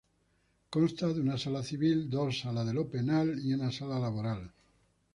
Consta de una Sala Civil, dos Salas Penales y una Sala Laboral.